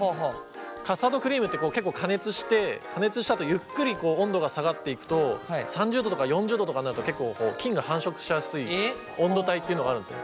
カスタードクリームって結構加熱して加熱したあとゆっくりこう温度が下がっていくと３０度とか４０度とかになると結構菌が繁殖しやすい温度帯っていうのがあるんです。